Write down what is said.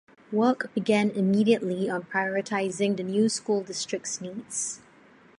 Work began immediately on prioritizing the new school district's needs.